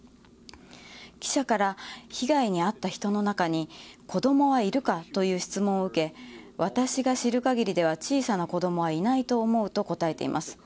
記者から被害に遭った人の中に子供はいるかという質問を受け私が知る限りでは小さな子供はいないと思うと答えています。